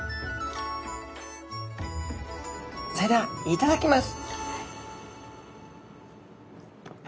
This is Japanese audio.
それではいただきます。